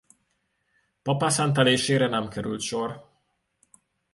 Pappá szentelésére nem került sor.